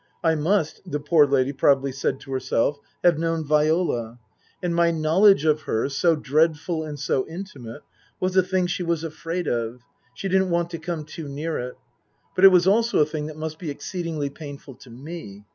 I must, the poor lady probably said to herself, have known Viola. And my knowledge of her, so dreadful and so intimate, was a thing she was afraid of ; she didn't want to come too near it. But it was also a thing that must be ex ceedingly painful to me.